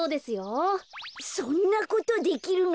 そんなことできるの？